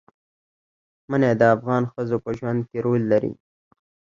منی د افغان ښځو په ژوند کې رول لري.